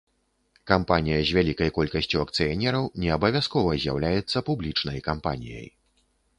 Кампанія з вялікай колькасцю акцыянераў не абавязкова з'яўляецца публічнай кампаніяй.